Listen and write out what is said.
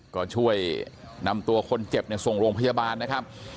ก็ช่วยนำตัวคนเจ็บส่งโรงพยาบาลนะครับ